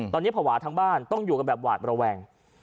ตอนนี้ภาวะทั้งบ้านต้องอยู่กันแบบหวาดระแวง